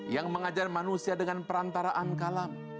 yang mengajar manusia dengan perantaraan kalam